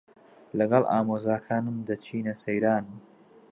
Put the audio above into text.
لەگەڵ ئامۆزاکانم دەچینە سەیران.